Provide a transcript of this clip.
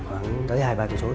khoảng tới hai ba tỉ số